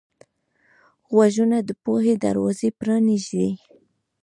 غوږونه د پوهې دروازه پرانیزي